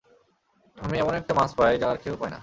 আমি এমন এমন মাছ পাই যা আর কেউ পায় না।